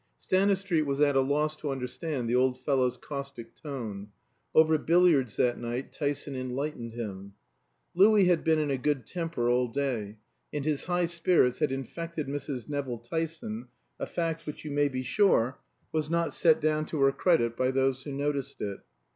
Stanistreet was at a loss to understand the old fellow's caustic tone. Over billiards that night Tyson enlightened him. Louis had been in a good temper all day; and his high spirits had infected Mrs. Nevill Tyson, a fact which, you may be sure, was not set down to her credit by those who noticed it.